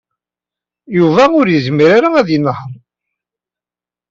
Yuba ur yezmir ara ad yenheṛ.